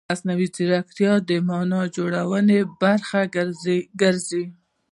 مصنوعي ځیرکتیا د معنا جوړونې برخه ګرځي.